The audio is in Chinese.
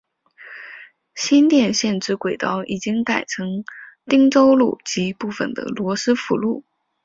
新店线之轨道已经改成汀州路及部分的罗斯福路。